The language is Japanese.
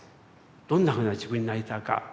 どんなふうな自分になりたいか。